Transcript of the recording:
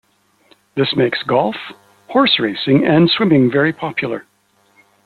This makes golf, horse racing and swimming very popular.